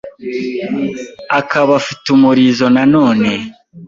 Akaba afite umurizo nanone